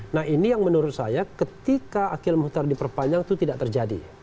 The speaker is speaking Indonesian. nah ini yang menurut saya ketika akil muhtar diperpanjang itu tidak terjadi